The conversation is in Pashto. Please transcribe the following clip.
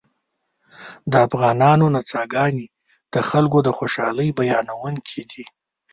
د افغانانو نڅاګانې د خلکو د خوشحالۍ بیانوونکې دي